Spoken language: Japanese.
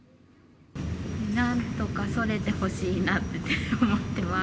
なんとかそれてほしいなって思ってます。